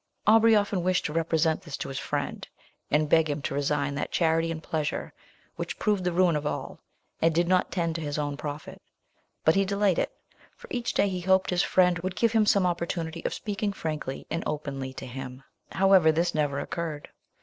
Aubrey often wished to represent this to his friend, and beg him to resign that charity and pleasure which proved the ruin of all, and did not tend to his own profit; but he delayed it for each day he hoped his friend would give him some opportunity of speaking frankly and openly to him; however, this never occurred.